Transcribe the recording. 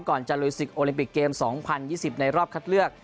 ก่อนจะลุยศึกโอลิมปิกเกม๒๐๒๐ในรอบคัดเลือก